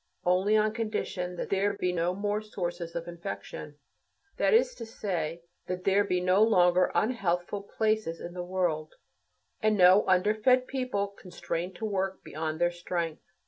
Only on condition that there be no more sources of infection, that is to say, that there be no longer unhealthful places in the world, and no underfed people constrained to work beyond their strength.